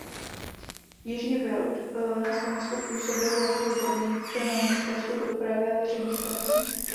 Jiří Wild na Slovensku působil jako odborník na ministerstvu dopravy a veřejných prací.